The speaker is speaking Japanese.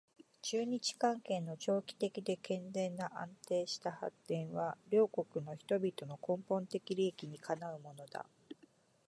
中日関係の長期的で健全な安定した発展は両国の人々の根本的利益にかなうものだ